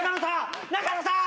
永野さん！